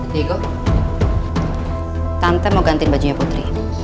diego tante mau gantiin bajunya putri